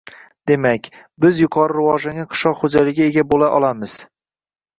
Demak, biz yuqori rivojlangan qishloq xo‘jaligiga ega bo‘la olamiz.